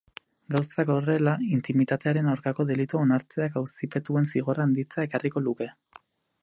Gauzak horrela, intimitatearen aurkako delitua onartzeak auzipetuen zigorrak handitzea ekarriko luke.